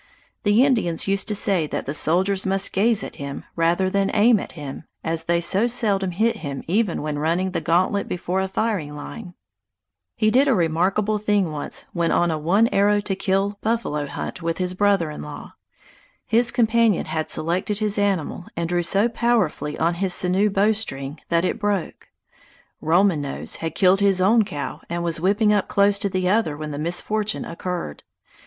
The Indians used to say that the soldiers must gaze at him rather than aim at him, as they so seldom hit him even when running the gantlet before a firing line. He did a remarkable thing once when on a one arrow to kill buffalo hunt with his brother in law. His companion had selected his animal and drew so powerfully on his sinew bowstring that it broke. Roman Nose had killed his own cow and was whipping up close to the other when the misfortune occurred.